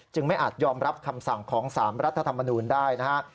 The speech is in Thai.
จึงไม่อาจยอมรับคำสั่งของสารัฐธรรมนูนได้นะครับ